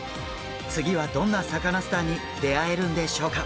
次はどんなサカナスターに出会えるんでしょうか。